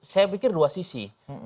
saya pikir dua sisi